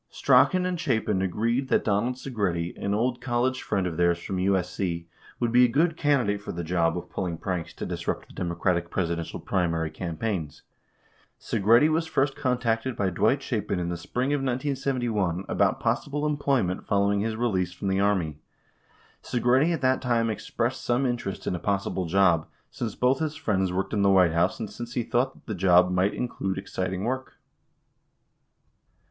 3 Strachan and Chapin agreed that Donald Segretti, an old college friend of theirs from USC, would be a good candidate for the job of pulling pranks to disrupt the Democratic Presidential primary cam paigns. Segretti was first contacted by Dwight Chapin in the spring of 1971 about possible employment following his release from the Army. 4 Segretti at that time expressed some interest in a possible job, since both his friends worked in the White House and since he thought that the job might include exciting work.